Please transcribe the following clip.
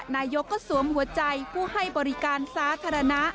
นายกก็สวมหัวใจผู้ให้บริการสาธารณะ